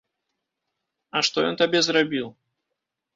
А што ён табе зрабіў?